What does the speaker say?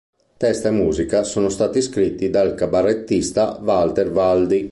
Testo e musica sono stati scritti dal cabarettista Walter Valdi.